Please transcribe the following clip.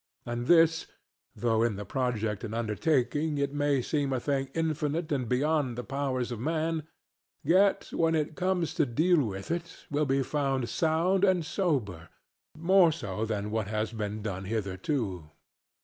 And this, though in the project and undertaking it may seem a thing infinite and beyond the powers of man, yet when it comes to be dealt with it will be found sound and sober, more so than what has been done hitherto.